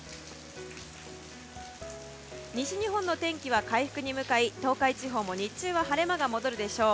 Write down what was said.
西日本の天気は回復に向かい東海地方も日中は晴れが戻るでしょう。